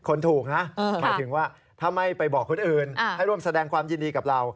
คนถูกนะหมายถึงว่าถ้าไม่ไปบอกคนอื่นให้ร่วมแสดงความยินดีกับเรา